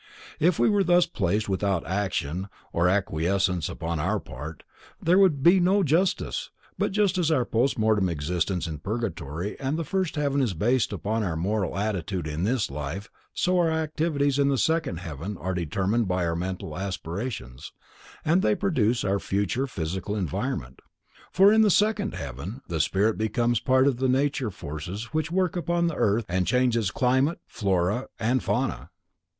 If we were thus placed without action or acquiescence upon our part, there would be no justice, but as our post mortem existence in purgatory and the first heaven is based upon our moral attitude in this life so our activities in the second heaven are determined by our mental aspirations and they produce our future physical environment, for in the second heaven, the spirit becomes part of the nature forces which work upon the earth and change its climate, flora and fauna.